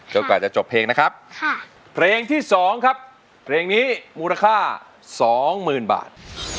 กว่าจะจบเพลงนะครับเพลงที่๒ครับเพลงนี้มูลค่า๒๐๐๐บาท